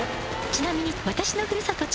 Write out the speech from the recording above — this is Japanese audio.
ちなみに私のふるさと